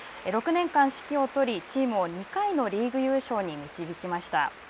６年間、指揮を執りチームを２回のリーグ優勝に導きました。